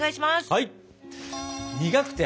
はい！